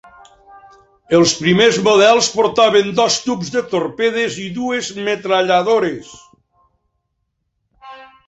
Els primers models portaven dos tubs de torpedes i dues metralladores.